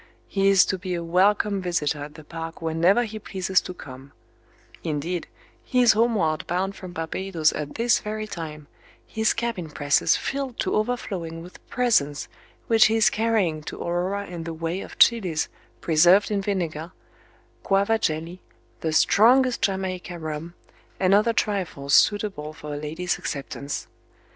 He is to be a welcome visitor at the Park whenever he pleases to come; indeed, he is homeward bound from Barbadoes at this very time, his cabin presses filled to overflowing with presents which he is carrying to Aurora in the way of chilis preserved in vinegar, guava jelly, the strongest Jamaica rum, and other trifles suitable for a lady's acceptance.